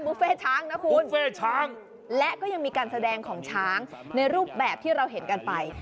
เฟ่ช้างนะคุณบุฟเฟ่ช้างและก็ยังมีการแสดงของช้างในรูปแบบที่เราเห็นกันไป